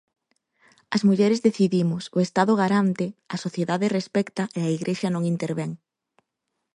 "As mulleres decidimos, o Estado garante, a sociedade respecta e a Igrexa non intervén".